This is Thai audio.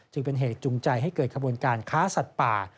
จึงเป็นเหตุจูงใจให้เกิดขบวนการค้าสัตว์ป่า